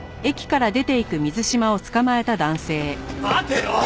待てよ！